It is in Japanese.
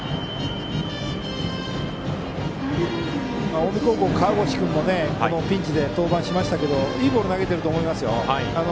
近江高校の河越君もピンチで登板しましたがいいボールを投げていると思います。